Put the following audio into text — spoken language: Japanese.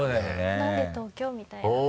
なんで東京？みたいな。